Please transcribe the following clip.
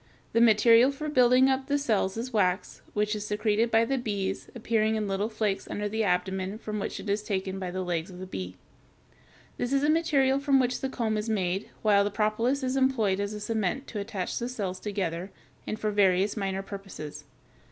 The material for building up the cells is wax, which is secreted by the bees, appearing in little flakes under the abdomen, from which it is taken by the legs of the bee. This is the material from which the comb is made, while the propolis is employed as a cement to attach the cells together, and for various minor purposes.